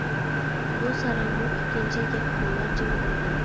بۇ ساراڭمۇ ئىككىنچى گەپ قىلماي جىم بولدى.